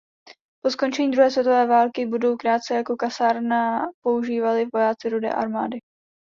Po skončení druhé světové války budovu krátce jako kasárna používali vojáci Rudé armády.